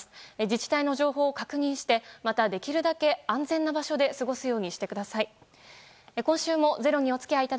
自治体の情報を確認してまたできるだけ安全な場所で過ごすようにしてください。